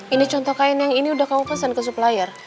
ini contoh kain yang ini udah kamu pesan ke supplier